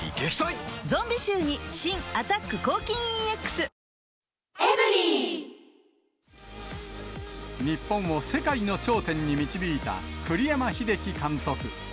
ゾンビ臭に新「アタック抗菌ＥＸ」日本を世界の頂点に導いた栗山英樹監督。